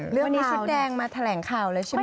วันนี้ชุดแดงมาแถลงข่าวแล้วใช่ไหม